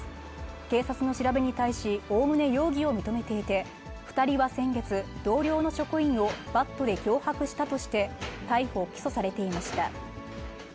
警察の調べに対し、おおむね容疑を認めていて、２人は先月、同僚の職員をバットで脅迫したとして、逮捕・起訴されていました。